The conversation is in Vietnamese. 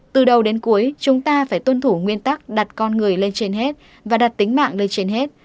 từ đầu đến cuối chúng ta phải tuân thủ nguyên tắc đặt con người lên trên hết và đặt tính mạng lên trên hết